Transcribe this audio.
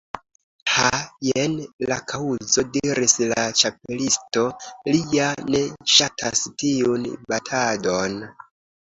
"Ha, jen la kaŭzo," diris la Ĉapelisto. "Li ja ne ŝatas tiun batadon.